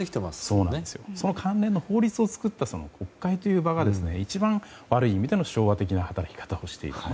その関連の法律を作った国会という場が一番、悪い意味での昭和の働き方をしていると。